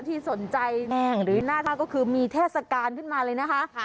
ที่สนใจแน่งหรือหน้าท่าก็คือมีเทศกาลขึ้นมาเลยนะคะ